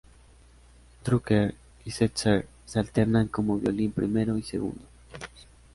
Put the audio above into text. Drucker y Setzer se alternan como violín primero y segundo.